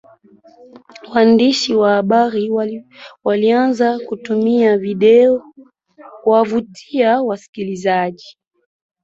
waandishi wa habari walianza kutumia video kuwavutia wasikilizaji